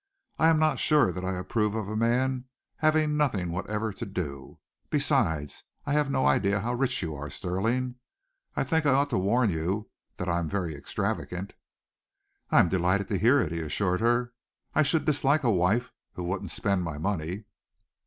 I am not sure that I approve of a man having nothing whatever to do. Besides, I have no idea how rich you are, Stirling. I think I ought to warn you that I am very extravagant." "I am delighted to hear it," he assured her. "I should dislike a wife who wouldn't spend my money."